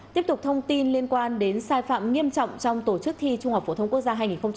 tiếp tục thông tin liên quan đến sai phạm nghiêm trọng trong tổ chức thi trung học phổ thông quốc gia hai nghìn một mươi chín